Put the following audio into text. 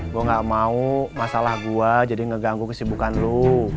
gue nggak mau masalah gue jadi ngeganggu kesibukan lu